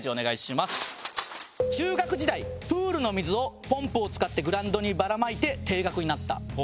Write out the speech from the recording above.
プールの水をポンプを使ってグラウンドにばらまいて停学になった。